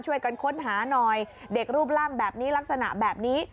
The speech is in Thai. ช่วยกันค้นหาหน่อยเด็กรูปร่างแบบนี้ลักษณะแบบนี้